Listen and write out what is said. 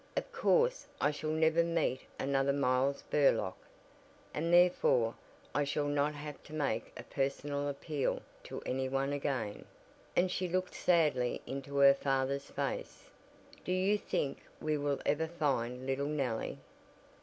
"Of course I shall never meet another Miles Burlock, and therefore I shall not have to make a personal appeal to any one again," and she looked sadly into her father's face. "Do you think we will ever find little Nellie?"